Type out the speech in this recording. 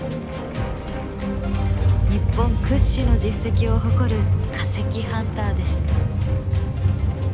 日本屈指の実績を誇る化石ハンターです。